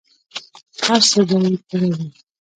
هر څه به یې پوره وي.